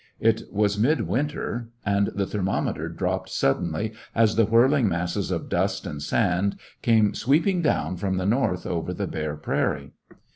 It was mid winter, and the thermometer dropped sud denly as the whirling masses of dust and sand came sweeping down from the north over the bare prairie.